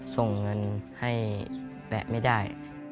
ส่งเงินให้แปะไม่ได้